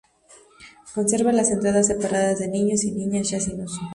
Conserva las entradas separadas de niños y niñas, ya sin uso.